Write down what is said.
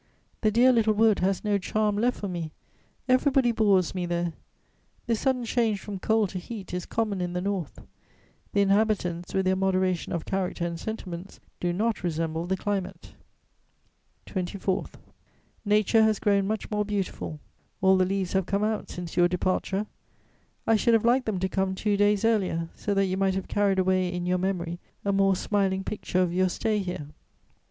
The dear little wood has no charm left for me, everybody bores me there! This sudden change from cold to heat is common in the North; the inhabitants, with their moderation of character and sentiments, do not resemble the climate." "24. "Nature has grown much more beautiful; all the leaves have come out since your departure: I should have liked them to come two days earlier, so that you might have carried away in your memory a more smiling picture of your stay here."